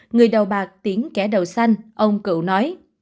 người đầu bạc tiến kẻ đầu xanh ông cựu nói